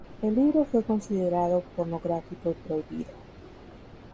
El libro fue considerado pornográfico y prohibido.